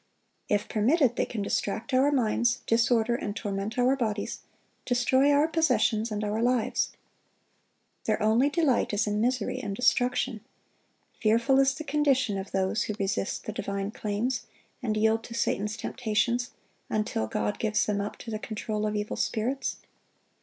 If permitted, they can distract our minds, disorder and torment our bodies, destroy our possessions and our lives. Their only delight is in misery and destruction. Fearful is the condition of those who resist the divine claims, and yield to Satan's temptations, until God gives them up to the control of evil spirits.